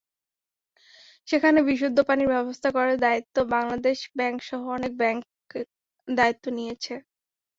সেখানে বিশুদ্ধ পানির ব্যবস্থা করার জন্য বাংলাদেশ ব্যাংকসহ অনেক ব্যাংক দায়িত্ব নিয়েছে।